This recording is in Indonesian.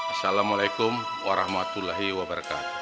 assalamualaikum warahmatullahi wabarakatuh